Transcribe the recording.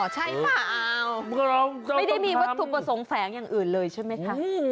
ใช่เปล่าไม่ได้มีวัตถุประสงค์แฝงอย่างอื่นเลยใช่ไหมคะ